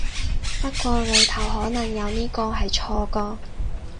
不過裡頭可能有呢個係錯個